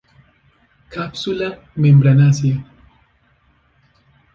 Cápsula membranácea.